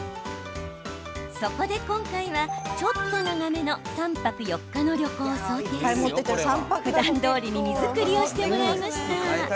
そこで今回は、ちょっと長めの３泊４日の旅行を想定しふだんどおりに荷造りをしてもらいました。